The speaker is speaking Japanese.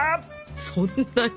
そんなに？